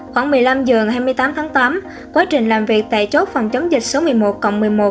khoảng một mươi năm h ngày hai mươi tám tháng tám quá trình làm việc tại chốt phòng chống dịch số một mươi một cộng một mươi một